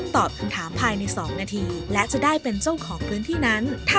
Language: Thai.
ท้องหาคนเริ่มก่อนนะคะ